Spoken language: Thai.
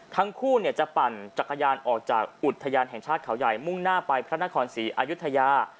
ทั้งคู่จะปั่นจักรยานออกจากอุทยานแห่งชาติเขาใหญ่มุ่งหน้าไปพระนครศรีอายุทยา